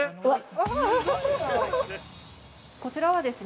◆こちらはですね